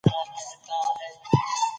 افغانستان د وګړي له امله شهرت لري.